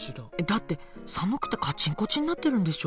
だって寒くてカチンコチンになってるんでしょ。